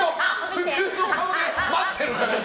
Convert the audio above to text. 普通の顔で待ってるから、今。